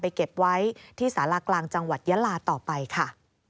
เก็บไว้ที่สารากลางจังหวัดยะลาต่อไปค่ะ